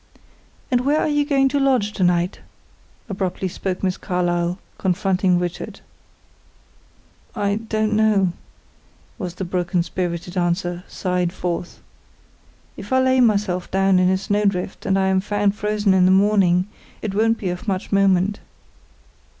"And where are you going to lodge to night?" abruptly spoke Miss Carlyle, confronting Richard. "I don't know," was the broken spirited answer, sighed forth. "If I lay myself down in a snowdrift, and am found frozen in the morning, it won't be of much moment."